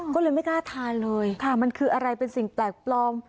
ก็เลยไม่กล้าทานเลยค่ะมันคืออะไรเป็นสิ่งแปลกปลอม